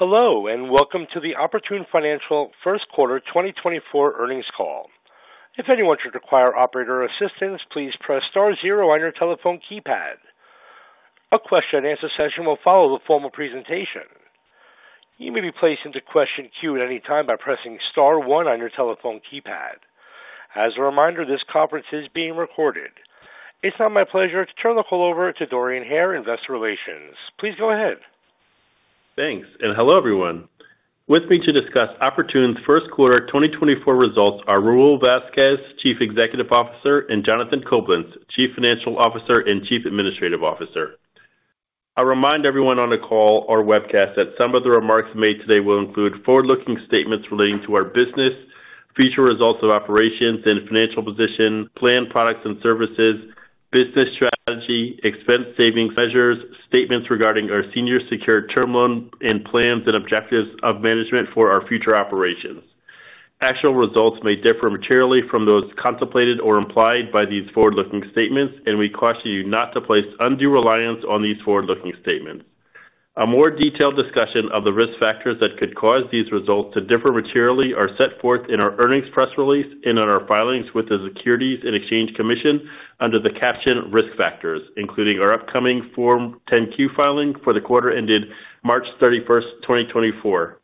Hello, and welcome to the Oportun Financial first quarter 2024 earnings call. If anyone should require operator assistance, please press star zero on your telephone keypad. A question and answer session will follow the formal presentation. You may be placed into question queue at any time by pressing star one on your telephone keypad. As a reminder, this conference is being recorded. It's now my pleasure to turn the call over to Dorian Hare, Investor Relations. Please go ahead. Thanks, and hello, everyone. With me to discuss Oportun's first quarter 2024 results are Raul Vazquez, Chief Executive Officer, and Jonathan Coblentz, Chief Financial Officer and Chief Administrative Officer. I remind everyone on the call or webcast that some of the remarks made today will include forward-looking statements relating to our business, future results of operations and financial position, planned products and services, business strategy, expense savings measures, statements regarding our senior secured term loan and plans and objectives of management for our future operations. Actual results may differ materially from those contemplated or implied by these forward-looking statements, and we caution you not to place undue reliance on these forward-looking statements. A more detailed discussion of the risk factors that could cause these results to differ materially are set forth in our earnings press release and in our filings with the Securities and Exchange Commission under the caption Risk Factors, including our upcoming Form 10-Q filing for the quarter ended March 31st, 2024.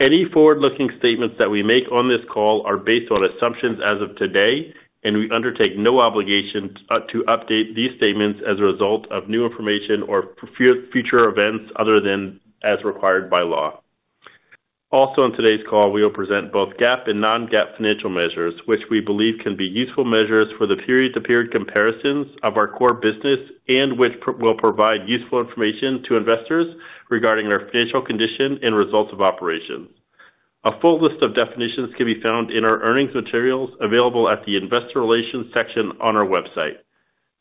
Any forward-looking statements that we make on this call are based on assumptions as of today, and we undertake no obligation to update these statements as a result of new information or future events other than as required by law. Also on today's call, we will present both GAAP and non-GAAP financial measures, which we believe can be useful measures for the period-to-period comparisons of our core business and which will provide useful information to investors regarding our financial condition and results of operations. A full list of definitions can be found in our earnings materials, available at the Investor Relations section on our website.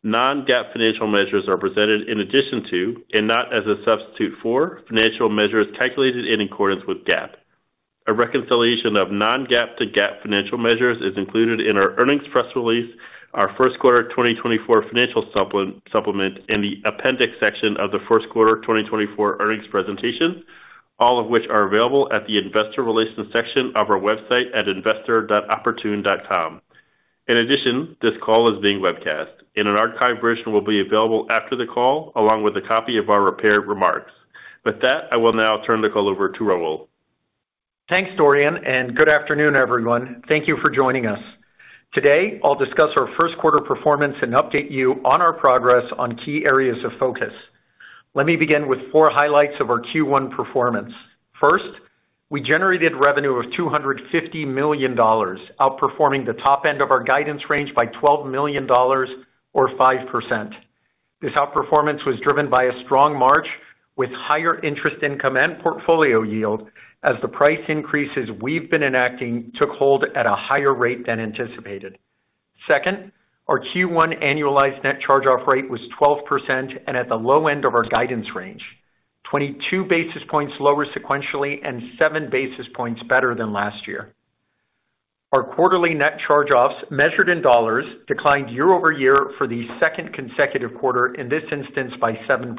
Non-GAAP financial measures are presented in addition to, and not as a substitute for, financial measures calculated in accordance with GAAP. A reconciliation of non-GAAP to GAAP financial measures is included in our earnings press release, our first quarter 2024 financial supplement, in the appendix section of the first quarter 2024 earnings presentation, all of which are available at the Investor Relations section of our website at investor.oportun.com. In addition, this call is being webcast, and an archived version will be available after the call, along with a copy of our prepared remarks. With that, I will now turn the call over to Raul. Thanks, Dorian, and good afternoon, everyone. Thank you for joining us. Today, I'll discuss our first quarter performance and update you on our progress on key areas of focus. Let me begin with four highlights of our Q1 performance. First, we generated revenue of $250 million, outperforming the top end of our guidance range by $12 million or 5%. This outperformance was driven by a strong March, with higher interest income and portfolio yield as the price increases we've been enacting took hold at a higher rate than anticipated. Second, our Q1 annualized net charge-off rate was 12% and at the low end of our guidance range, 22 basis points lower sequentially and 7 basis points better than last year. Our quarterly net charge-offs, measured in dollars, declined year-over-year for the second consecutive quarter, in this instance by 7%.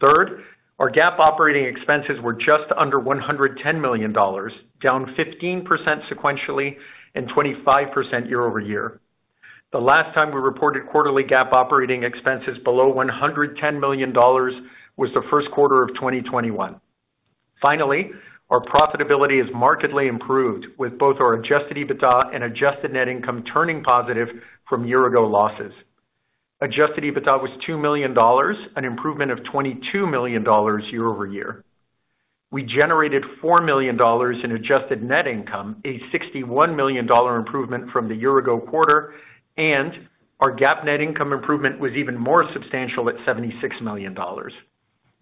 Third, our GAAP operating expenses were just under $110 million, down 15% sequentially and 25% year-over-year. The last time we reported quarterly GAAP operating expenses below $110 million was the first quarter of 2021. Finally, our profitability is markedly improved, with both our adjusted EBITDA and adjusted net income turning positive from year-ago losses. Adjusted EBITDA was $2 million, an improvement of $22 million year-over-year. We generated $4 million in adjusted net income, a $61 million improvement from the year-ago quarter, and our GAAP net income improvement was even more substantial at $76 million.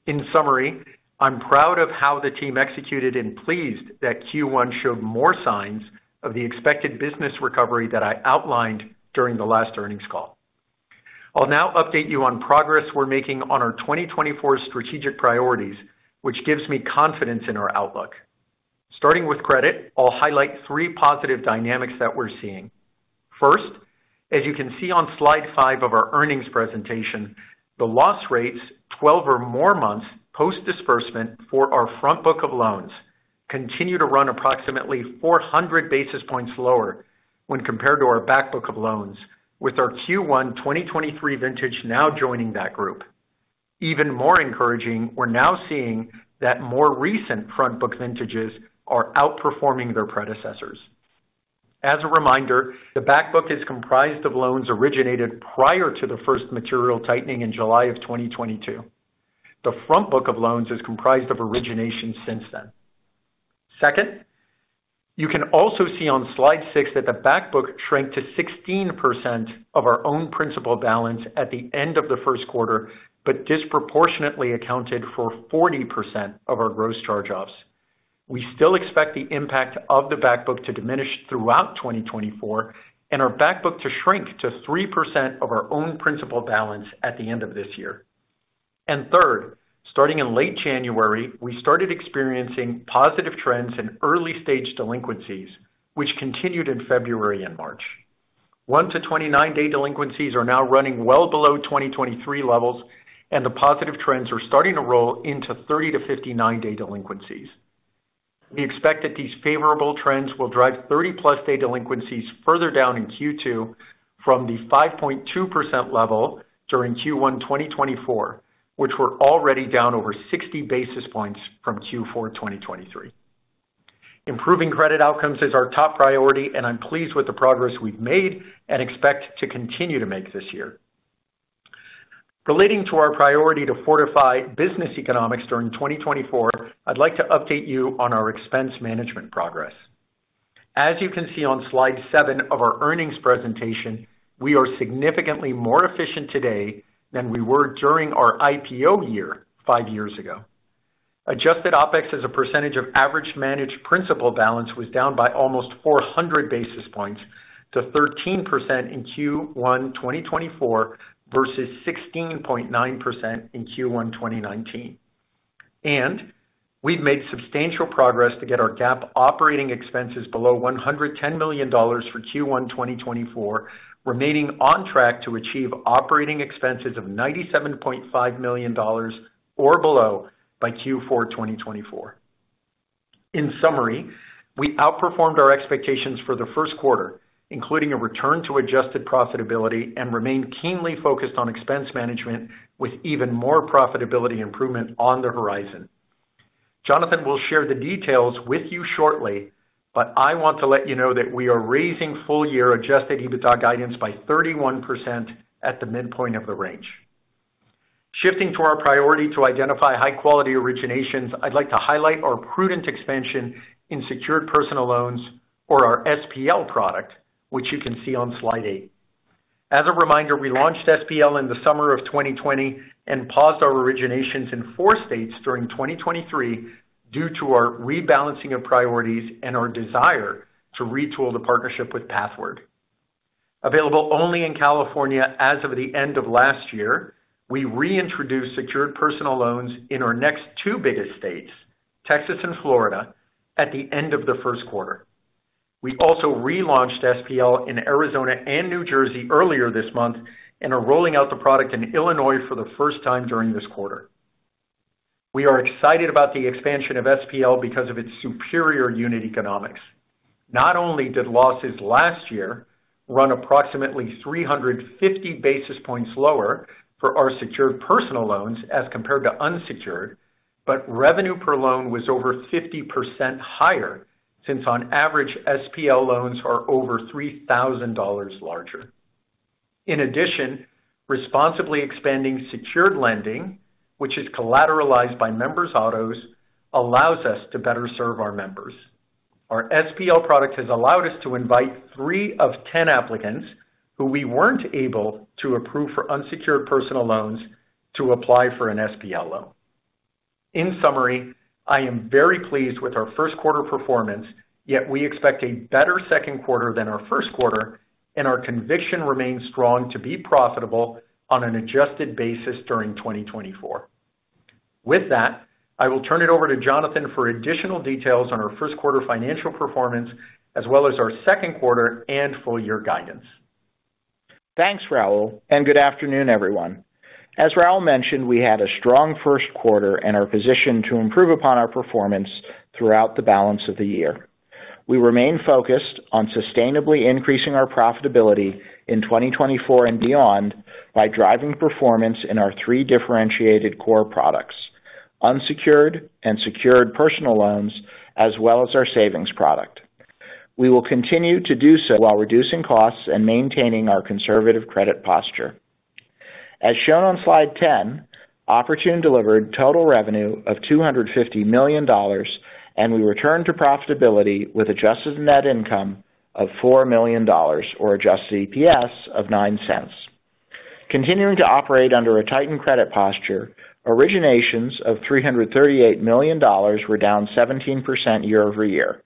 In summary, I'm proud of how the team executed and pleased that Q1 showed more signs of the expected business recovery that I outlined during the last earnings call. I'll now update you on progress we're making on our 2024 strategic priorities, which gives me confidence in our outlook. Starting with credit, I'll highlight three positive dynamics that we're seeing. First, as you can see on slide five of our earnings presentation, the loss rates 12 or more months post disbursement for our front book of loans continue to run approximately 400 basis points lower when compared to our back book of loans, with our Q1 2023 vintage now joining that group. Even more encouraging, we're now seeing that more recent front book vintages are outperforming their predecessors. As a reminder, the back book is comprised of loans originated prior to the first material tightening in July 2022. The front book of loans is comprised of originations since then. Second, you can also see on slide six that the back book shrank to 16% of our own principal balance at the end of the first quarter, but disproportionately accounted for 40% of our gross charge-offs. We still expect the impact of the back book to diminish throughout 2024 and our back book to shrink to 3% of our own principal balance at the end of this year. And third, starting in late January, we started experiencing positive trends in early-stage delinquencies, which continued in February and March. One to 29 day delinquencies are now running well below 2023 levels, and the positive trends are starting to roll into 30-59 day delinquencies. We expect that these favorable trends will drive 30+ day delinquencies further down in Q2 from the 5.2% level during Q1 2024, which were already down over 60 basis points from Q4 2023. Improving credit outcomes is our top priority, and I'm pleased with the progress we've made and expect to continue to make this year. Relating to our priority to fortify business economics during 2024, I'd like to update you on our expense management progress. As you can see on slide seven of our earnings presentation, we are significantly more efficient today than we were during our IPO year, five years ago. Adjusted OpEx as a percentage of average managed principal balance, was down by almost 400 basis points to 13% in Q1 2024, versus 16.9% in Q1 2019. We've made substantial progress to get our GAAP operating expenses below $110 million for Q1 2024, remaining on track to achieve operating expenses of $97.5 million or below by Q4 2024. In summary, we outperformed our expectations for the first quarter, including a return to adjusted profitability and remain keenly focused on expense management, with even more profitability improvement on the horizon. Jonathan will share the details with you shortly, but I want to let you know that we are raising full-year adjusted EBITDA guidance by 31% at the midpoint of the range. Shifting to our priority to identify high-quality originations, I'd like to highlight our prudent expansion in secured personal loans or our SPL product, which you can see on slide eight. As a reminder, we launched SPL in the summer of 2020 and paused our originations in four states during 2023 due to our rebalancing of priorities and our desire to retool the partnership with Pathward. Available only in California as of the end of last year, we reintroduced secured personal loans in our next two biggest states, Texas and Florida, at the end of the first quarter. We also relaunched SPL in Arizona and New Jersey earlier this month and are rolling out the product in Illinois for the first time during this quarter. We are excited about the expansion of SPL because of its superior unit economics. Not only did losses last year run approximately 350 basis points lower for our secured personal loans as compared to unsecured, but revenue per loan was over 50% higher, since on average, SPL loans are over $3,000 larger. In addition, responsibly expanding secured lending, which is collateralized by members' autos, allows us to better serve our members. Our SPL product has allowed us to invite three of 10 applicants who we weren't able to approve for unsecured personal loans to apply for an SPL loan. In summary, I am very pleased with our first quarter performance, yet we expect a better second quarter than our first quarter, and our conviction remains strong to be profitable on an adjusted basis during 2024. With that, I will turn it over to Jonathan for additional details on our first quarter financial performance, as well as our second quarter and full-year guidance. Thanks, Raul, and good afternoon, everyone. As Raul mentioned, we had a strong first quarter and are positioned to improve upon our performance throughout the balance of the year. We remain focused on sustainably increasing our profitability in 2024 and beyond by driving performance in our three differentiated core products: unsecured and secured personal loans, as well as our savings product. We will continue to do so while reducing costs and maintaining our conservative credit posture. As shown on slide 10, Oportun delivered total revenue of $250 million, and we returned to profitability with adjusted net income of $4 million or adjusted EPS of $0.09. Continuing to operate under a tightened credit posture, originations of $338 million were down 17% year-over-year.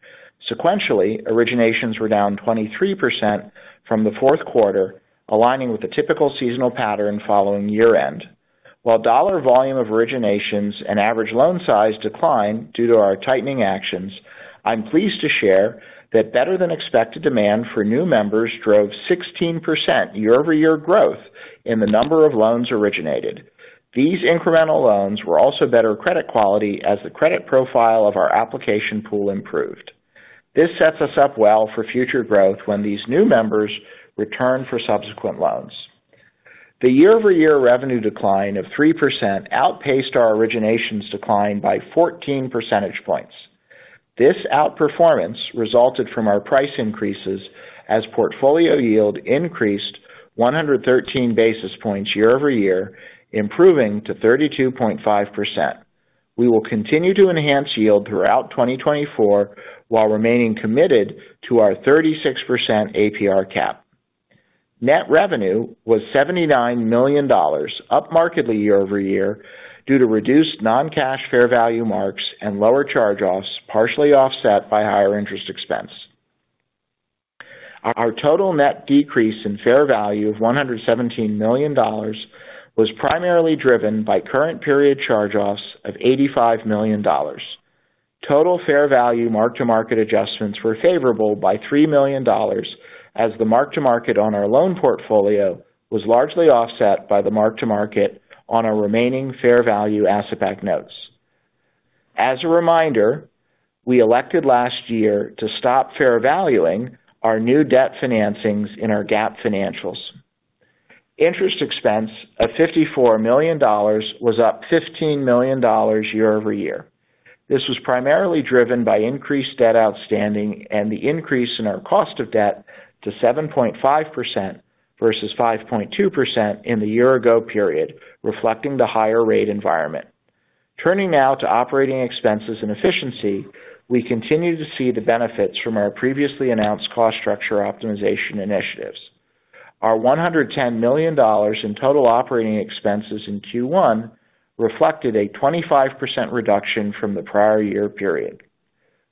Sequentially, originations were down 23% from the fourth quarter, aligning with the typical seasonal pattern following year-end. While dollar volume of originations and average loan size declined due to our tightening actions, I'm pleased to share that better-than-expected demand for new members drove 16% year-over-year growth in the number of loans originated. These incremental loans were also better credit quality as the credit profile of our application pool improved. This sets us up well for future growth when these new members return for subsequent loans. The year-over-year revenue decline of 3% outpaced our originations decline by 14 percentage points. This outperformance resulted from our price increases as portfolio yield increased 113 basis points year-over-year, improving to 32.5%. We will continue to enhance yield throughout 2024, while remaining committed to our 36% APR cap. Net revenue was $79 million, up markedly year-over-year, due to reduced non-cash fair value marks and lower charge-offs, partially offset by higher interest expense. Our total net decrease in fair value of $117 million was primarily driven by current period charge-offs of $85 million. Total fair value mark-to-market adjustments were favorable by $3 million, as the mark-to-market on our loan portfolio was largely offset by the mark-to-market on our remaining fair value asset-backed notes. As a reminder, we elected last year to stop fair valuing our new debt financings in our GAAP financials. Interest expense of $54 million was up $15 million year-over-year. This was primarily driven by increased debt outstanding and the increase in our cost of debt to 7.5% versus 5.2% in the year-ago period, reflecting the higher rate environment. Turning now to operating expenses and efficiency, we continue to see the benefits from our previously announced cost structure optimization initiatives. Our $110 million in total operating expenses in Q1 reflected a 25% reduction from the prior year period.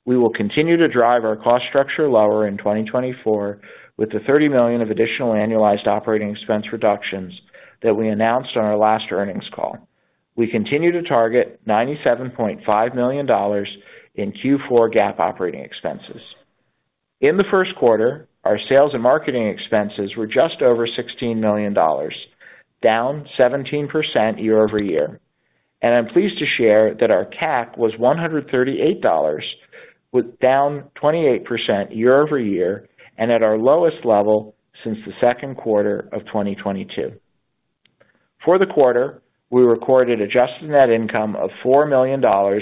We will continue to drive our cost structure lower in 2024, with the $30 million of additional annualized operating expense reductions that we announced on our last earnings call. We continue to target $97.5 million in Q4 GAAP operating expenses. In the first quarter, our sales and marketing expenses were just over $16 million, down 17% year-over-year. I'm pleased to share that our CAC was $138, down 28% year-over-year, and at our lowest level since the second quarter of 2022. For the quarter, we recorded adjusted net income of $4 million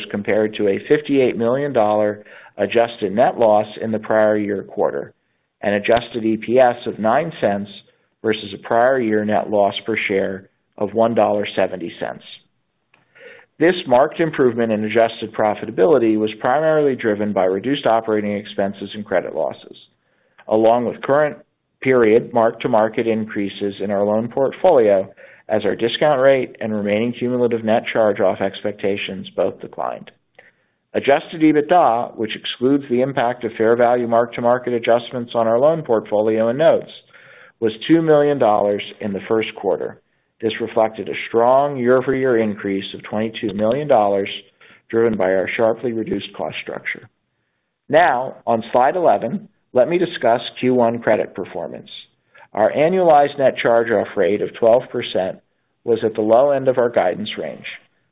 compared to a $58 million adjusted net loss in the prior year quarter, and adjusted EPS of $0.09 versus a prior year net loss per share of $1.70. This marked improvement in adjusted profitability was primarily driven by reduced operating expenses and credit losses, along with current period mark-to-market increases in our loan portfolio as our discount rate and remaining cumulative net charge-off expectations both declined. Adjusted EBITDA, which excludes the impact of fair value mark-to-market adjustments on our loan portfolio and notes, was $2 million in the first quarter. This reflected a strong year-over-year increase of $22 million, driven by our sharply reduced cost structure. Now, on slide 11, let me discuss Q1 credit performance. Our annualized net charge-off rate of 12% was at the low end of our guidance range.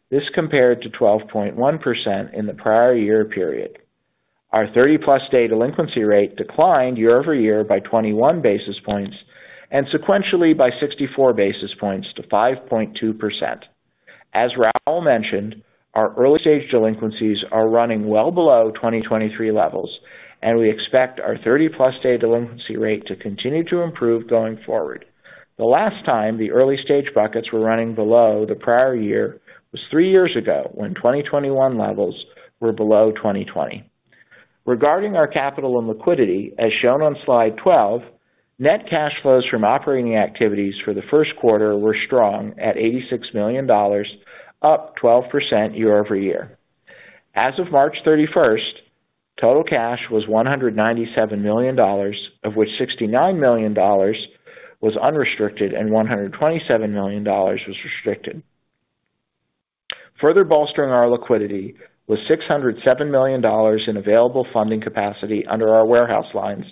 This compared to 12.1% in the prior year period. Our 30+ day delinquency rate declined year-over-year by 21 basis points and sequentially by 64 basis points to 5.2%. As Raul mentioned, our early-stage delinquencies are running well below 2023 levels, and we expect our 30+ day delinquency rate to continue to improve going forward. The last time the early-stage buckets were running below the prior year was three years ago, when 2021 levels were below 2020. Regarding our capital and liquidity, as shown on slide 12, net cash flows from operating activities for the first quarter were strong at $86 million, up 12% year-over-year. As of March 31st, total cash was $197 million, of which $69 million was unrestricted and $127 million was restricted. Further bolstering our liquidity was $607 million in available funding capacity under our warehouse lines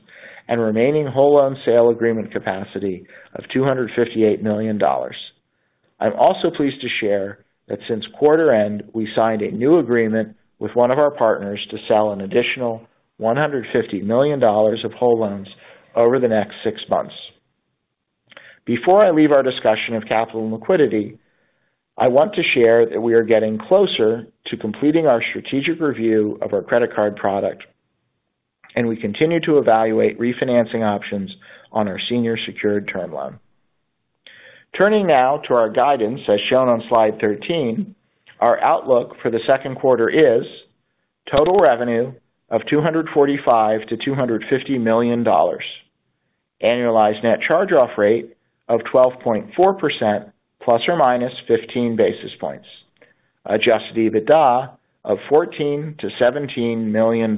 and remaining whole loan sale agreement capacity of $258 million. I'm also pleased to share that since quarter end, we signed a new agreement with one of our partners to sell an additional $150 million of whole loans over the next six months. Before I leave our discussion of capital and liquidity, I want to share that we are getting closer to completing our strategic review of our credit card product, and we continue to evaluate refinancing options on our senior secured term loan. Turning now to our guidance, as shown on slide 13, our outlook for the second quarter is: total revenue of $245 million-$250 million, annualized net charge-off rate of 12.4% ±15 basis points, adjusted EBITDA of $14 million-$17 million.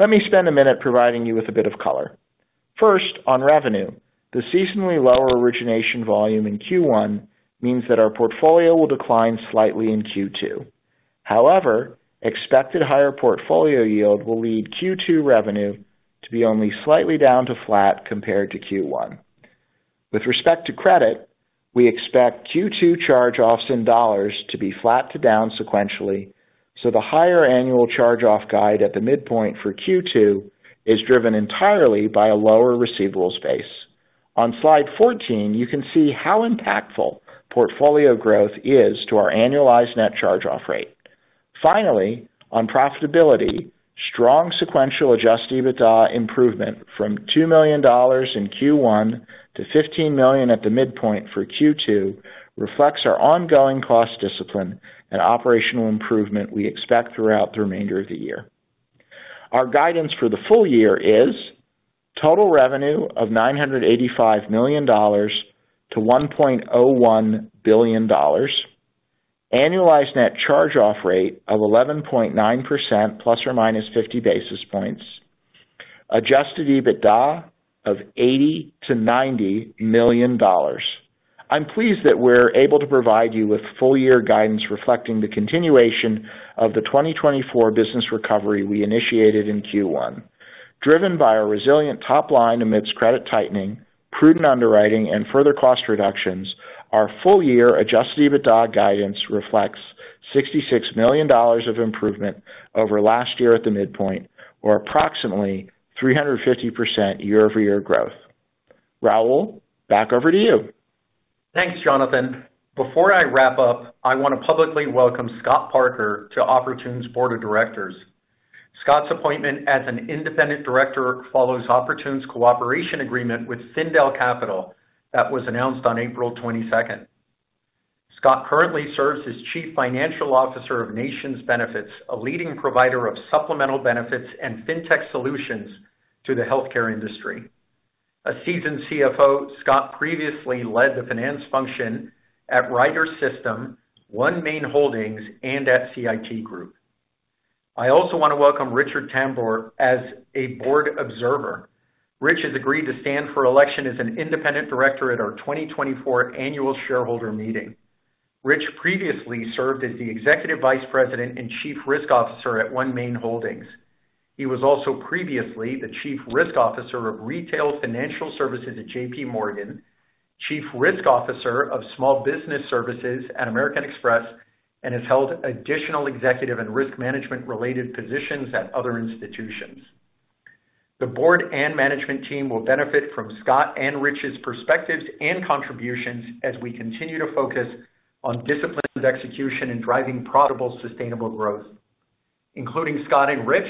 Let me spend a minute providing you with a bit of color. First, on revenue. The seasonally lower origination volume in Q1 means that our portfolio will decline slightly in Q2. However, expected higher portfolio yield will lead Q2 revenue to be only slightly down to flat compared to Q1. With respect to credit, we expect Q2 charge-offs in dollars to be flat to down sequentially, so the higher annual charge-off guide at the midpoint for Q2 is driven entirely by a lower receivables base. On slide 14, you can see how impactful portfolio growth is to our annualized net charge-off rate. Finally, on profitability, strong sequential adjusted EBITDA improvement from $2 million in Q1 to $15 million at the midpoint for Q2 reflects our ongoing cost discipline and operational improvement we expect throughout the remainder of the year. Our guidance for the full year is: total revenue of $985 million-$1.01 billion, annualized net charge-off rate of 11.9% ± 50 basis points, adjusted EBITDA of $80 million-$90 million. I'm pleased that we're able to provide you with full year guidance, reflecting the continuation of the 2024 business recovery we initiated in Q1. Driven by our resilient top line amidst credit tightening, prudent underwriting, and further cost reductions, our full-year adjusted EBITDA guidance reflects $66 million of improvement over last year at the midpoint, or approximately 350% year-over-year growth. Raul, back over to you. Thanks, Jonathan. Before I wrap up, I want to publicly welcome Scott Parker to Oportun's Board of Directors. Scott's appointment as an independent director follows Oportun's cooperation agreement with Findell Capital that was announced on April 22nd. Scott currently serves as Chief Financial Officer of NationsBenefits, a leading provider of supplemental benefits and fintech solutions to the healthcare industry. A seasoned CFO, Scott previously led the finance function at Ryder System, OneMain Holdings, and at CIT Group. I also want to welcome Rich Tambor as a Board Observer. Rich has agreed to stand for election as an independent director at our 2024 Annual Shareholder Meeting. Rich previously served as the Executive Vice President and Chief Risk Officer at OneMain Holdings. He was also previously the Chief Risk Officer of Retail Financial Services at JPMorgan, Chief Risk Officer of Small Business Services at American Express, and has held additional executive and risk management-related positions at other institutions. The board and management team will benefit from Scott and Rich's perspectives and contributions as we continue to focus on disciplined execution and driving profitable, sustainable growth. Including Scott and Rich,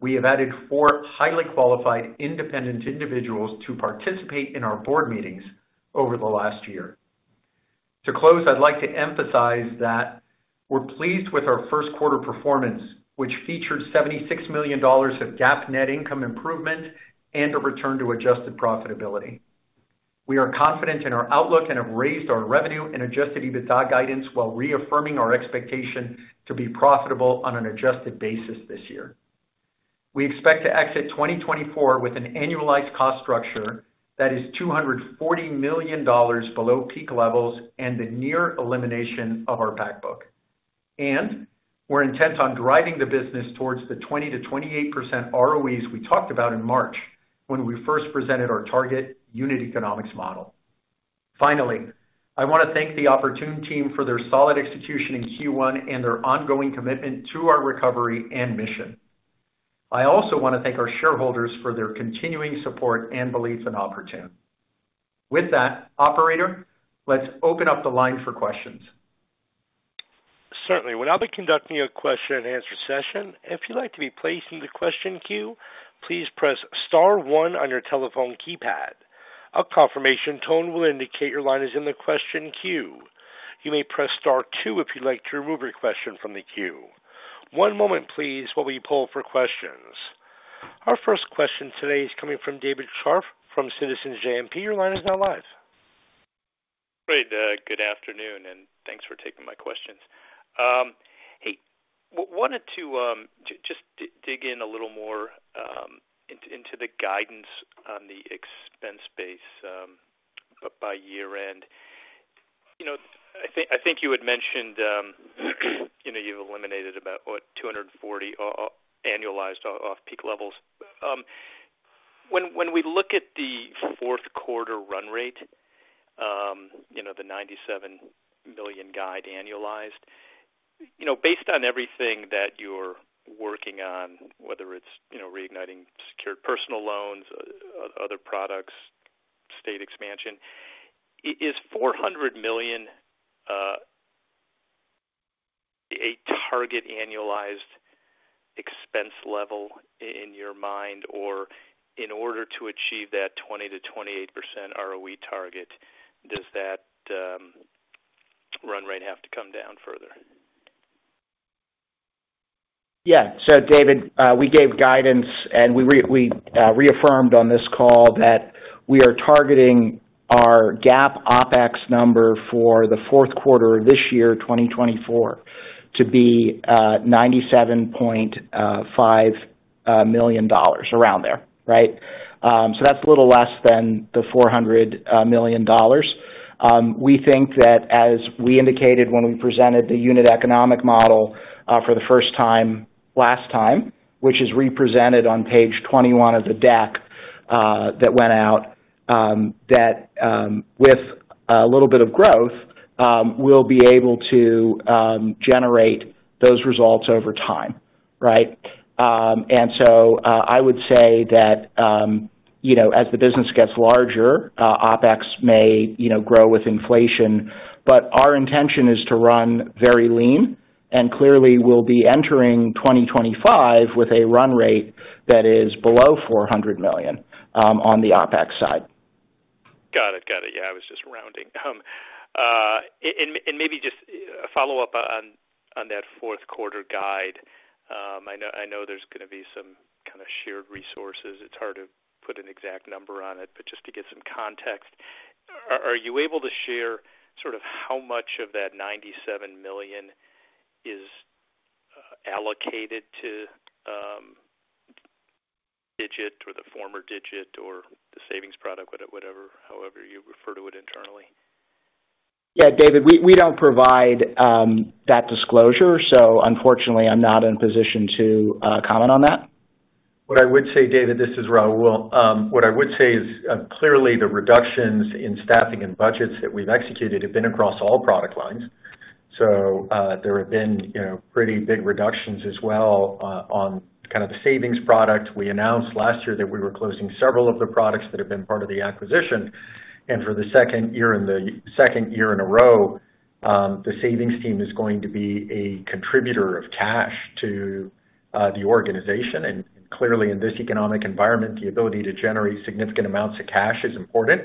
we have added four highly qualified independent individuals to participate in our board meetings over the last year. To close, I'd like to emphasize that we're pleased with our first quarter performance, which featured $76 million of GAAP net income improvement and a return to adjusted profitability. We are confident in our outlook and have raised our revenue and adjusted EBITDA guidance while reaffirming our expectation to be profitable on an adjusted basis this year. We expect to exit 2024 with an annualized cost structure that is $240 million below peak levels and the near elimination of our back book. We're intent on driving the business towards the 20%-28% ROEs we talked about in March, when we first presented our target unit economics model. Finally, I want to thank the Oportun team for their solid execution in Q1 and their ongoing commitment to our recovery and mission. I also want to thank our shareholders for their continuing support and belief in Oportun. With that, operator, let's open up the line for questions. Certainly. We'll now be conducting a question-and-answer session. If you'd like to be placed in the question queue, please press star one on your telephone keypad. A confirmation tone will indicate your line is in the question queue. You may press star two if you'd like to remove your question from the queue. One moment, please, while we poll for questions. Our first question today is coming from David Scharf from Citizens JMP. Your line is now live. Great. Good afternoon, and thanks for taking my questions. Hey, wanted to just dig in a little more into the guidance on the expense base by year end. You know, I think you had mentioned, you know, you've eliminated about 240 annualized off peak levels. When we look at the fourth quarter run rate, you know, the $97 million guide annualized, you know, based on everything that you're working on, whether it's reigniting secured personal loans, other products, state expansion, is $400 million a target annualized expense level in your mind? Or in order to achieve that 20%-28% ROE target, does that run rate have to come down further? Yeah. So David, we gave guidance, and we reaffirmed on this call that we are targeting our GAAP OpEx number for the fourth quarter of this year, 2024, to be $97.5 million, around there, right? So that's a little less than the $400 million. We think that as we indicated when we presented the unit economic model for the first time, last time, which is represented on page 21 of the deck that went out, with a little bit of growth, we'll be able to generate those results over time, right? I would say that, you know, as the business gets larger, OpEx may, you know, grow with inflation, but our intention is to run very lean, and clearly, we'll be entering 2025 with a run rate that is below $400 million on the OpEx side. Got it. Got it. Yeah, I was just rounding. And maybe just a follow-up on that fourth quarter guide. I know, I know there's gonna be some kind of shared resources. It's hard to get an exact number on it, but just to get some context, are you able to share sort of how much of that $97 million is allocated to Digit or the former Digit or the savings product, whatever, however you refer to it internally? Yeah, David, we don't provide that disclosure, so unfortunately, I'm not in a position to comment on that. What I would say, David, this is Raul. What I would say is, clearly the reductions in staffing and budgets that we've executed have been across all product lines. So, there have been, you know, pretty big reductions as well, on kind of the savings product. We announced last year that we were closing several of the products that have been part of the acquisition. And for the second year in a row, the savings team is going to be a contributor of cash to the organization. And clearly, in this economic environment, the ability to generate significant amounts of cash is important.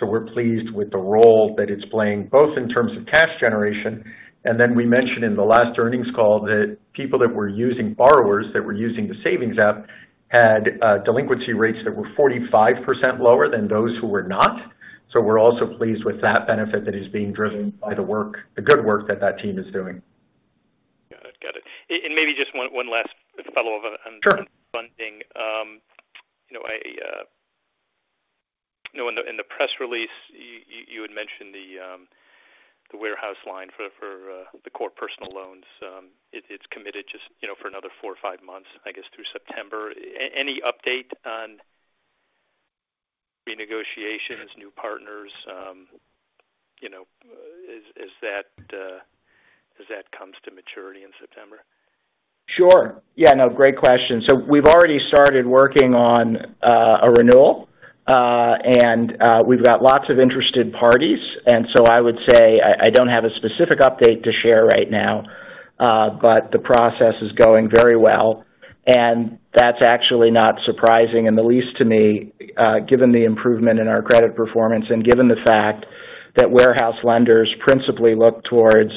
So we're pleased with the role that it's playing, both in terms of cash generation, and then we mentioned in the last earnings call that people that were using borrowers, that were using the savings app, had delinquency rates that were 45% lower than those who were not. So we're also pleased with that benefit that is being driven by the work, the good work that that team is doing. Got it. Got it. And maybe just one last follow-up on- Sure. -funding. You know, you know, in the press release, you had mentioned the warehouse line for the core personal loans. It's committed just, you know, for another four or five months, I guess, through September. Any update on renegotiations, new partners? You know, as that comes to maturity in September? Sure. Yeah, no, great question. So we've already started working on a renewal, and we've got lots of interested parties. And so I would say I, I don't have a specific update to share right now, but the process is going very well. And that's actually not surprising in the least to me, given the improvement in our credit performance and given the fact that warehouse lenders principally look towards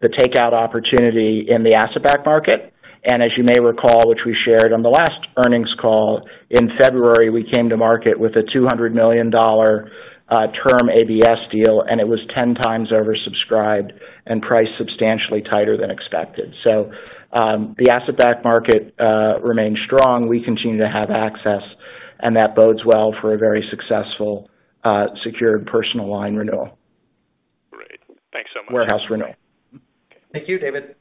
the takeout opportunity in the asset-backed market. And as you may recall, which we shared on the last earnings call, in February, we came to market with a $200 million term ABS deal, and it was 10 times oversubscribed and priced substantially tighter than expected. So, the asset-backed market remains strong. We continue to have access, and that bodes well for a very successful secured personal line renewal. Great. Thanks so much. Warehouse renewal. Thank you, David.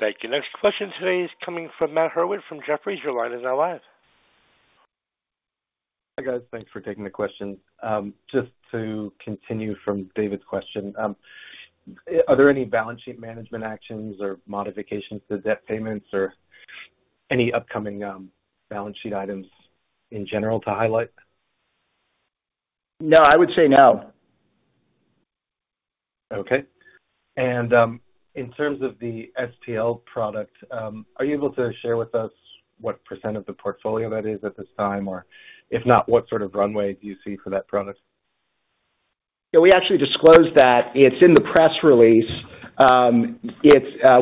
Thank you. Next question today is coming from Matt Hurwit from Jefferies. Your line is now live. Hi, guys. Thanks for taking the question. Just to continue from David's question, are there any balance sheet management actions or modifications to debt payments or any upcoming balance sheet items in general to highlight? No, I would say no. Okay. In terms of the SPL product, are you able to share with us what percent of the portfolio that is at this time, or if not, what sort of runway do you see for that product? Yeah, we actually disclosed that. It's in the press release.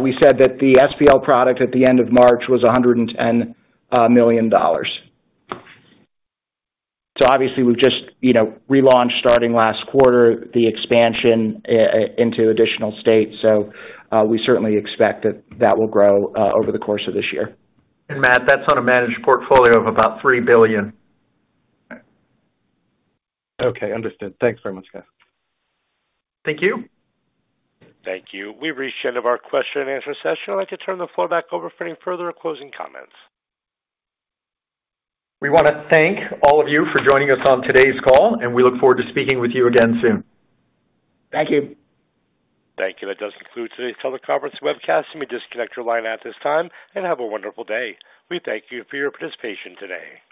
We said that the SPL product at the end of March was $110 million. So obviously, we've just, you know, relaunched starting last quarter, the expansion into additional states, so we certainly expect that that will grow over the course of this year. Matt, that's on a managed portfolio of about $3 billion. Okay, understood. Thanks very much, guys. Thank you. Thank you. We've reached the end of our question and answer session. I'd like to turn the floor back over for any further closing comments. We want to thank all of you for joining us on today's call, and we look forward to speaking with you again soon. Thank you. Thank you. That does conclude today's teleconference webcast. You may disconnect your line at this time, and have a wonderful day. We thank you for your participation today.